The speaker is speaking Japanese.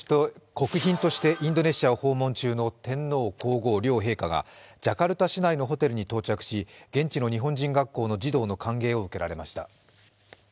国賓としてインドネシアを訪問中の天皇皇后両陛下がジャカルタ市内のホテルに到着し現地の日本人学校の児童の歓迎を受けられました。